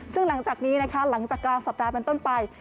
ซึ่งหลังจากนี้นะคะหลังจากกลางสัปดาห์เป็นต้นไป